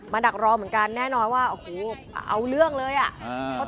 ดักรอเหมือนกันแน่นอนว่าโอ้โหเอาเรื่องเลยอ่ะ